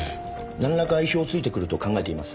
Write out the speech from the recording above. なんらか意表を突いてくると考えています。